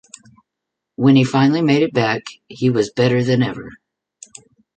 When he finally made it back he was better than ever.